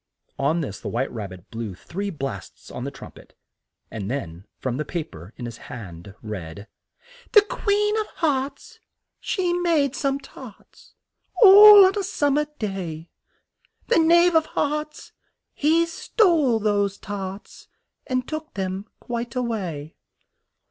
On this the White Rab bit blew three blasts on the trum pet, and then from the pa per in his hand read: "The Queen of Hearts, she made some tarts, All on a sum mer day: The Knave of Hearts, he stole those tarts, And took them quite a way!"